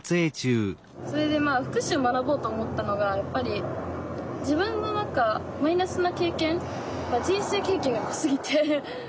それで福祉を学ぼうと思ったのがやっぱり自分のマイナスな経験人生経験が濃すぎて。